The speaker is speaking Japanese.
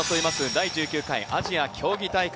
第１９回アジア競技大会。